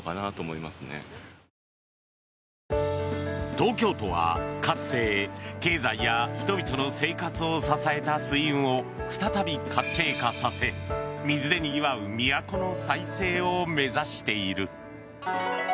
東京都は、かつて経済や人々の生活を支えた水運を再び活性化させ水でにぎわう都の再生を目指している。